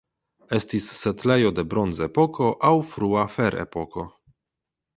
Estis setlejo de Bronzepoko aŭ frua Ferepoko.